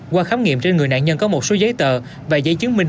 qua khám nghiệm trên người nạn nhân có một số giấy tờ và giấy chứng minh